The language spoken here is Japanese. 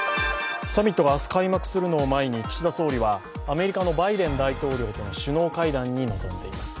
サミットが明日開幕するのを前に岸田総理はアメリカのバイデン大統領との首脳会談に臨んでいます。